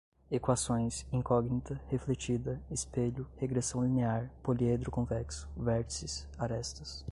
Equações, incógnita, refletida, espelho, regressão linear, poliedro convexo, vértices, arestas